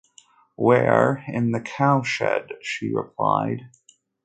“Where?” “In the cowshed,” she replied.